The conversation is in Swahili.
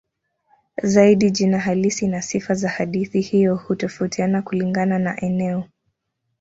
Zaidi jina halisi na sifa za hadithi hiyo hutofautiana kulingana na eneo.